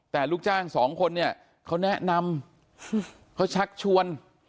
แต่ลูกจ้างสองคนเนี่ยเขาแนะนำเขาชักชวน